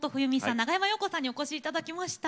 長山洋子さんにお越しいただきました。